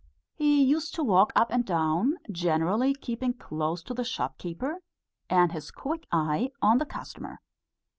He used to walk up and down, generally keeping close to the shopkeeper, and his quick eye on the customer.